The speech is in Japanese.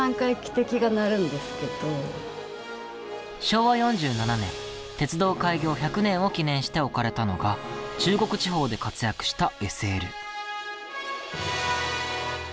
昭和４７年鉄道開業１００年を記念して置かれたのが中国地方で活躍したＳＬ。